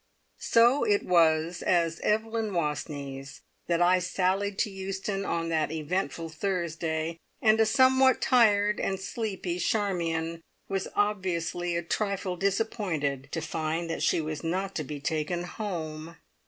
So it was as Evelyn Wastneys that I sallied to Euston on that eventful Thursday, and a somewhat tired and sleepy Charmion was obviously a trifle disappointed to find that she was not to be taken "home."